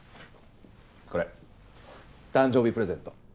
これ誕生日プレゼント。